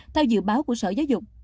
theo dự báo của sở giáo dục